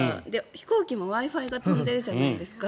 飛行機もＷｉ−Ｆｉが飛んでるじゃないですか。